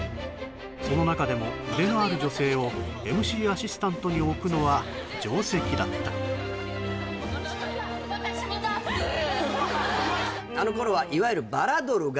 その中でも腕のある女性をＭＣアシスタントに置くのは定石だった私も出すへえ！